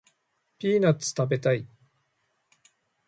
ピーナッツ食べたい